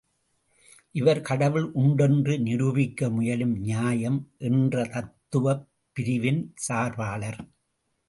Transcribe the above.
இவர் கடவுள் உண்டென்று நிரூபிக்க முயலும் நியாயம் என்ற தத்துவப் பிரிவின் சார்பாளர்.